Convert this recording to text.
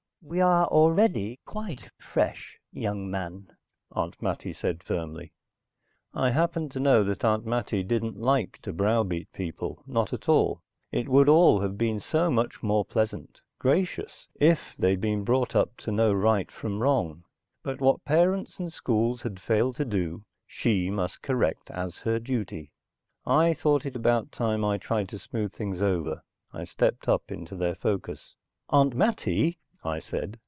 "We are already quite fresh, young man," Aunt Mattie said firmly. I happened to know that Aunt Mattie didn't like to browbeat people, not at all. It would all have been so much more pleasant, gracious, if they'd been brought up to know right from wrong. But what parents and schools had failed to do, she must correct as her duty. I thought it about time I tried to smooth things over. I stepped up into their focus. "Aunt Mattie," I said.